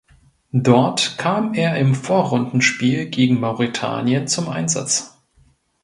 Dort kam er im Vorrundenspiel gegen Mauretanien zum Einsatz.